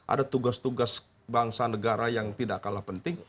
ada tugas tugas bangsa negara yang tidak kalah penting